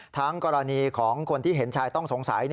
ทั้งกรณีของคนที่เห็นชายต้องสงสัย